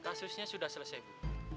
kasusnya sudah selesai bu